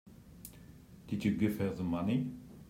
Did you give her the money?